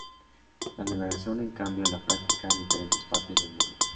La navegación, en cambio, la practica en diferentes partes del mundo.